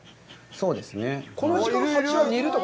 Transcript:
そうですね。